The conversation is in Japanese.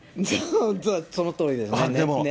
そのとおりですね。